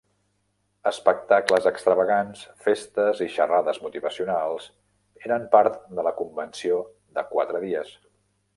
Espectacles extravagants, festes i xerrades motivacionals eren part de la convenció de quatre dies.